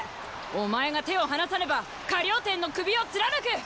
お前が手を放さねば河了貂の首を貫く！